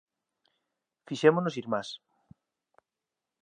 Fixémonos irmás.